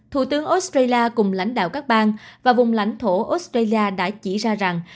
thủ tướng australia cùng lãnh đạo các bang và vùng lãnh thổ australia đã chỉ ra rằng